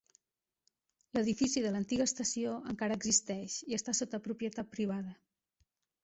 L'edifici de l'antiga estació encara existeix i està sota propietat privada.